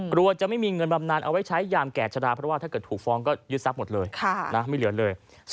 กลัวจะไม่มีเงินบำนานเอาไว้ใช้ยามแก่ชะดาเพราะว่าถ้าเกิดถูกฟ้องก็ยึดทรัพย์หมดเลยไม่เหลือเลย